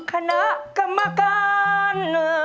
คณะกรรมการ